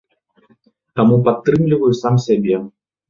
Таму падтрымліваю сам сябе.